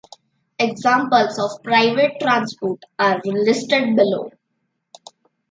Examples of private transport are listed below.